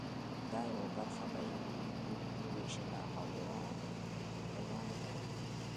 دا یوه برخه به یې وویشله او یوه خپلوانو ته ورکړه.